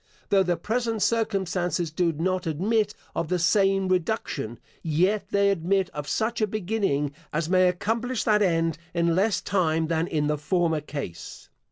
Though the present circumstances do not admit of the same reduction, yet they admit of such a beginning, as may accomplish that end in less time than in the former case.